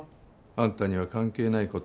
あんたには関係ない事。